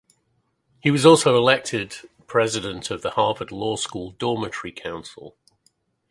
He was also elected president of the Harvard Law School Dormitory Council.